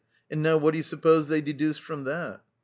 And now what do you suppose they deduced from that?"